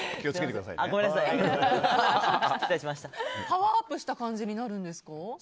パワーアップした感じになるんですか？